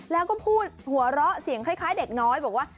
แล้วก็พูดหัวเราะเสียงคล้ายเด็กน้อยบอกว่า